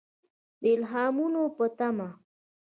د الهامونو په تمه.